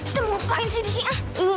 kita mau ngapain sih di sini ah